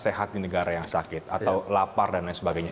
sehat di negara yang sakit atau lapar dan lain sebagainya